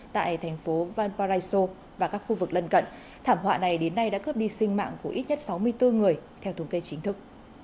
tại thành phố vanparaiso và các khu vực lân cận thảm họa này đến nay đã cướp đi sinh mạng của ít nhất sáu mươi bốn người theo thống kê chính thức